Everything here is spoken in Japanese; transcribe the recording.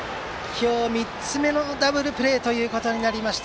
今日３つ目のダブルプレーとなりました。